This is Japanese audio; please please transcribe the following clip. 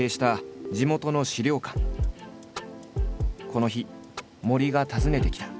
この日森が訪ねてきた。